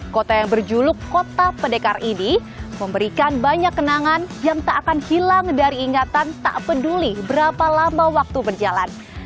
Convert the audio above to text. kota yang berjuluk kota pendekar ini memberikan banyak kenangan yang tak akan hilang dari ingatan tak peduli berapa lama waktu berjalan